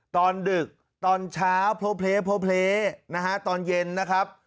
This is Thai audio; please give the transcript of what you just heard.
ตอนดึกตอนเช้าโพเพตอนเย็นนะครับ